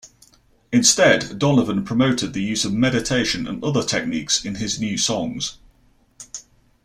Instead, Donovan promoted the use of meditation and other techniques, in his new songs.